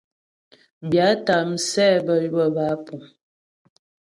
Byâta msɛ bə́ ywə̌ bə́ á puŋ.